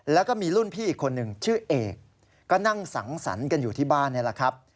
แล้วก็มีรุ่นพี่อีกคนหนึ่งชื่อเอกก็นั่งสังสรรค์กันอยู่ที่บ้านนี่แหละครับ